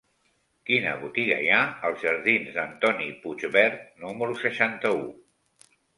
Quina botiga hi ha als jardins d'Antoni Puigvert número seixanta-u?